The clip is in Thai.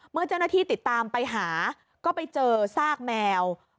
เมื่อเจ้าหน้าที่ติดตามไปหาก็ไปเจอซากแมว